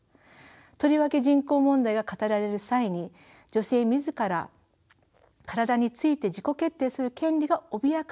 とりわけ人口問題が語られる際に女性自ら体について自己決定する権利が脅かされることはあってはいけません。